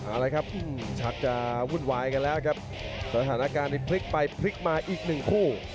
อะไรครับชักจะวุ่นวายกันแล้วครับสถานการณ์นี้พลิกไปพลิกมาอีกหนึ่งคู่